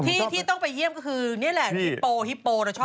ที่ที่ต้องไปเยี่ยมก็คือนี่แหละฮิปโปฮิปโปเราชอบ